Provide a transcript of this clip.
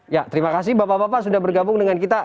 ya terima kasih bapak bapak sudah bergabung dengan kita